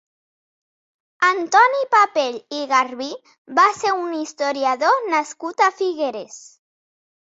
Antoni Papell i Garbí va ser un historiador nascut a Figueres.